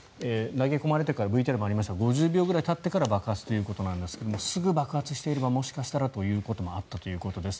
投げ込まれてからＶＴＲにもありましたが５０秒ぐらいたってから爆発ということだったんですがすぐ爆発していればもしかしたらということもあったということです。